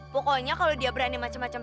pokoknya kalo dia berani macem macem